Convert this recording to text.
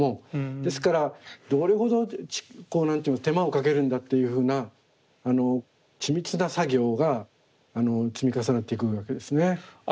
ですからどれほど手間をかけるんだというふうな緻密な作業が積み重なっていくわけですね。